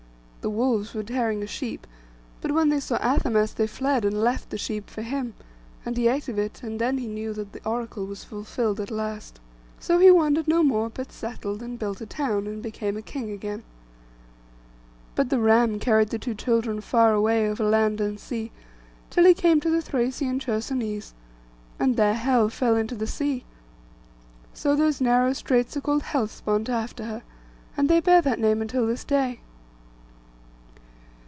The wolves were tearing a sheep; but when they saw Athamas they fled, and left the sheep for him, and he ate of it; and then he knew that the oracle was fulfilled at last. So he wandered no more; but settled, and built a town, and became a king again. But the ram carried the two children far away over land and sea, till he came to the Thracian Chersonese, and there Helle fell into the sea. So those narrow straits are called 'Hellespont,' after her; and they bear that name until this day.